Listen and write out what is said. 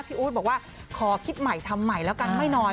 อู๊ดบอกว่าขอคิดใหม่ทำใหม่แล้วกันไม่น้อย